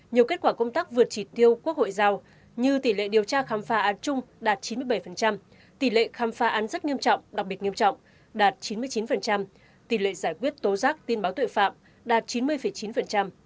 nhiều kết quả công tác vượt trị tiêu quốc hội giao như tỷ lệ điều tra khám phá án chung đạt chín mươi bảy tỷ lệ khám phá án rất nghiêm trọng đặc biệt nghiêm trọng đạt chín mươi chín tỷ lệ giải quyết tố giác tin báo tội phạm đạt chín mươi chín